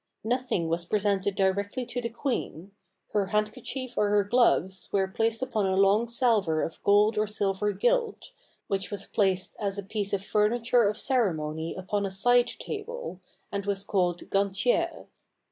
Nothing was presented directly to the queen ; her hand kerchief or her gloves were placed upon a long salver of gold or silver gilt, which was placed as a piece of fur niture of ceremony upon a side table, and was called gantiere.